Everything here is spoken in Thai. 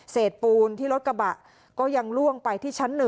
ปูนที่รถกระบะก็ยังล่วงไปที่ชั้น๑